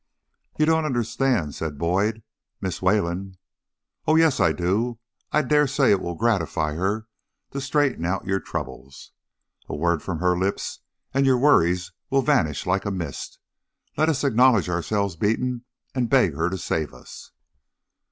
"You don't understand," said Boyd. "Miss Wayland " "Oh yes, I do. I dare say it will gratify her to straighten out your troubles. A word from her lips and your worries will vanish like a mist. Let us acknowledge ourselves beaten and beg her to save us."